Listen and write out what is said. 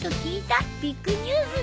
ビッグニュースだよ！